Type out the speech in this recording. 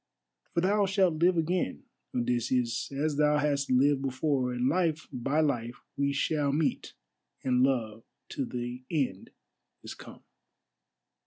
For thou shalt live again, Odysseus, as thou hast lived before, and life by life we shall meet and love till the end is come."